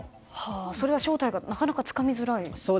それは正体がなかなかつかみづらいと。